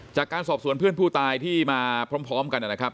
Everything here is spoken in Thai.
จากการสอบสวนเพื่อนผู้ตายที่มาพร้อมกันนะครับ